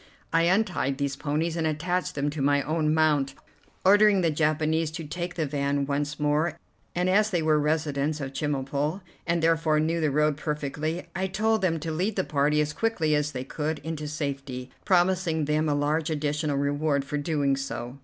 I untied these ponies, and attached them to my own mount, ordering the Japanese to take the van once more; and, as they were residents of Chemulpo, and therefore knew the road perfectly, I told them to lead the party as quickly as they could into safety, promising them a large additional reward for doing so.